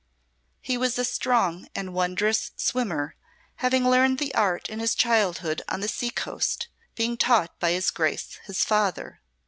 He was a strong and wondrous swimmer, having learned the art in his childhood on the seacoast, being taught by his Grace his father.